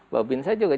bebin sa juga